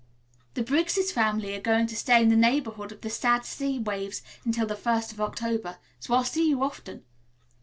"The Briggs' family are going to stay in the neighborhood of the sad sea waves until the first of October, so I'll see you often.